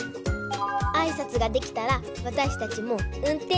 あいさつができたらわたしたちもうんてんしゅ